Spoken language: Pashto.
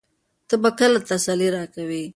ته به کله تسلي راکوې؟